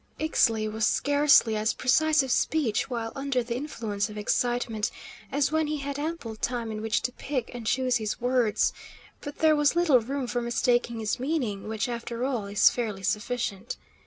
Ixtli was scarcely as precise of speech while under the influence of excitement as when he had ample time in which to pick and choose his words; but there was little room for mistaking his meaning, which, after all, is fairly sufficient.